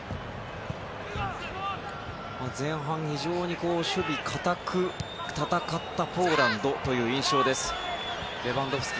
前半、非常に守備堅く戦ったポーランドという印象です。